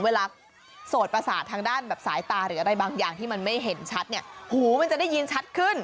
โสดประสาททางด้านแบบสายตาหรืออะไรบางอย่างที่มันไม่เห็นชัดเนี่ยหูมันจะได้ยินชัดขึ้น